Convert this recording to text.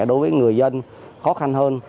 đối với người dân khó khăn hơn